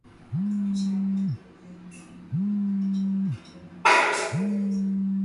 licha ya watu zaidi ya mia nne kuthibitisha kupoteza maisha nchini brazil